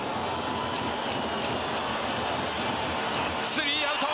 スリーアウト！